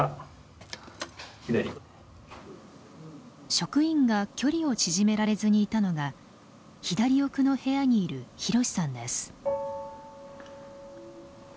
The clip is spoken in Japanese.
職員が距離を縮められずにいたのが左奥の部屋にいるひろしさんです。